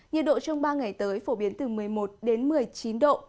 nhiệt độ trong ba ngày tới phổ biến từ một mươi một đến một mươi chín độ